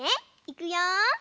いくよ。